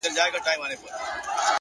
مثبت فکر د اندېښنو زور کموي!